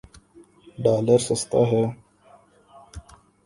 Dollar سستا ہے۔